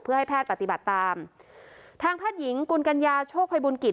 เพื่อให้แพทย์ปฏิบัติตามทางแพทย์หญิงกุลกัญญาโชคภัยบุญกิจ